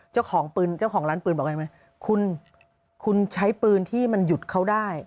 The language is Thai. เจ้าของปืนเจ้าของร้านปืนบอกไงไหมคุณคุณใช้ปืนที่มันหยุดเขาได้